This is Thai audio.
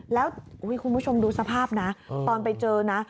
แล้วคุณผู้ชมดูสภาพนะตอนไปเจอนะ